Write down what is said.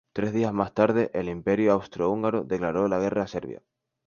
Tres días más tarde el Imperio Austro-Húngaro declaró la guerra a Serbia.